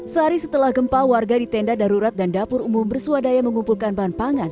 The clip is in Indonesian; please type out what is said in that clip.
sehari setelah gempa warga di tenda darurat dan dapur umum bersuadaya mengumpulkan bahan pangan